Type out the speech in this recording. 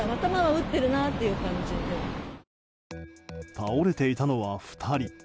倒れていたのは２人。